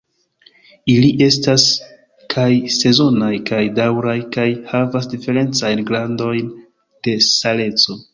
Ili estas kaj sezonaj kaj daŭraj, kaj havas diferencajn gradojn de saleco.